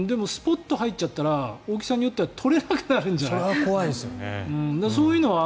でも、スポッと入っちゃったら大きさによっては取れなくなるんじゃない？